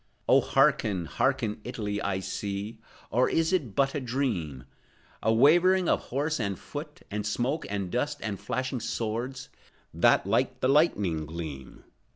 Oh, hearken, hearken, Italy! I see,— Or is it but a dream?— A wavering of horse and foot, And smoke, and dust, and flashing swords, That like the lightning gleam.